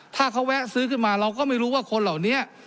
ถ้าเขาแวะซื้อขึ้นมาเราก็ไม่รู้ว่าคนเหล่านี้